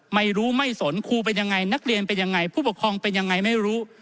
ไม่รู้ไม่สนครูเป็นยังไงนักเรียนเป็นยังไงผู้ปกครองเป็นยังไงไม่รู้